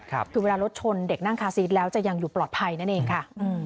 คือเวลารถชนเด็กนั่งคาซีสแล้วจะยังอยู่ปลอดภัยนั่นเองค่ะ